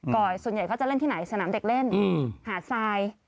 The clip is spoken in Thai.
ส่วนใหญ่เขาจะเล่นที่ไหนสนามเด็กเล่นหาดทราย